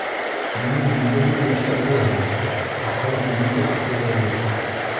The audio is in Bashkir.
Минән егерме йәш олоһоң, аҡылың минеке хәтле лә юҡ.